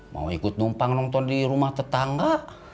mau ikut tumpang nonton di rumah tetangga